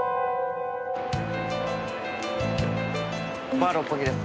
バー六本木です。